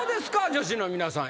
女子の皆さん